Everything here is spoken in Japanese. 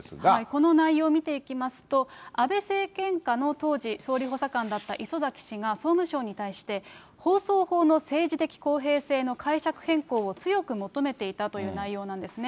この内容を見ていきますと、安倍政権下の当時、総理補佐官だった礒崎氏が総務省に対して、放送法の政治的公平性の解釈変更を強く求めていたという内容なんですね。